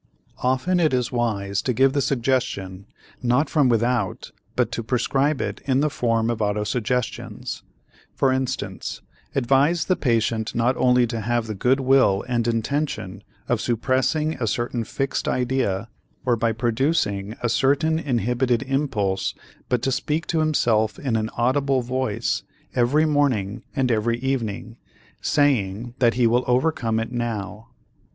Often it is wise to give the suggestion, not from without but to prescribe it in the form of autosuggestions. For instance, advise the patient not only to have the good will and intention of suppressing a certain fixed idea or by producing a certain inhibited impulse but to speak to himself in an audible voice, every morning and every evening, saying that he will overcome it now.